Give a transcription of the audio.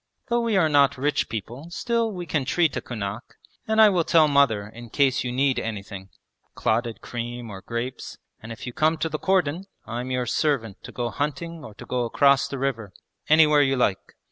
Though we are not rich people still we can treat a kunak, and I will tell mother in case you need anything clotted cream or grapes and if you come to the cordon I'm your servant to go hunting or to go across the river, anywhere you like!